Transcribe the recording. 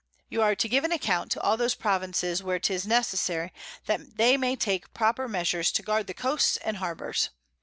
You are to give an account to all those Provinces where 'tis necessary, that they may take proper Measures to guard the Coasts and Harbors.